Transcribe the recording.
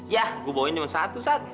yah gue bawain cuma satu sat